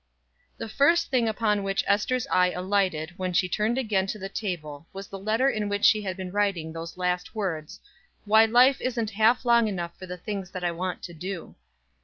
The first thing upon which Ester's eye alighted when she turned again to the table was the letter in which she had been writing those last words: "Why life isn't half long enough for the things that I want to do."